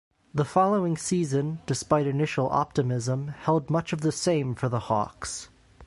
The following season, despite initial optimism, held much of the same for the Hawks.